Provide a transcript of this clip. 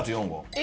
え！